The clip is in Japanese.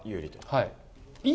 はい。